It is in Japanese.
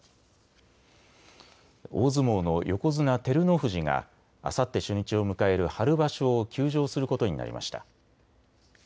大相撲の横綱・照ノ富士があさって初日を迎える春場所を休場することになりました。